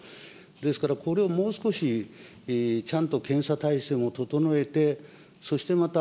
ですから、これをもう少しちゃんと検査体制も整えて、そしてまた、